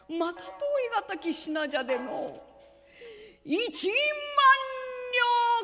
１万両か？」。